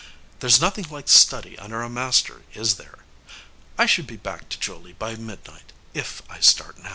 There's nothing like study under a master, is there? I should be back to Julie by midnight if I start now.